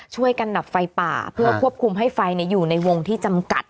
ช่วยกันดับไฟป่าเพื่อควบคุมให้ไฟอยู่ในวงที่จำกัด